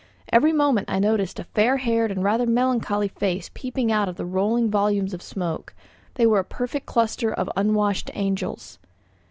Every moment I noticed a fair haired and rather melancholy face peeping out of the rolling volumes of smoke they were a perfect cluster of unwashed angels.